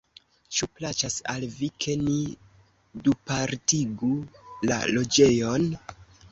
Ĉu plaĉas al vi, ke ni dupartigu la loĝejon?